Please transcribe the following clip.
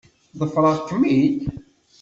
Ḍefreɣ-kem-id.